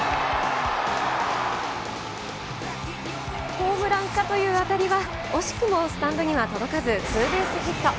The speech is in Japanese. ホームランかという当たりは、惜しくもスタンドには届かず、ツーベースヒット。